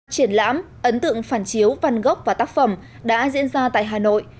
triển lãm ấn tượng phản chiếu văn gốc và tác phẩm đã diễn ra tại hà nội